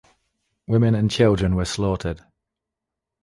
Women and children were slaughtered.